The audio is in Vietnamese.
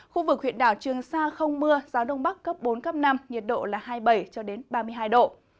khu vực huyện đảo trường sa không mưa gió đông bắc cấp bốn năm nhiệt độ hai mươi bảy ba mươi hai độ